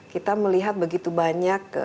kita melihat begitu banyak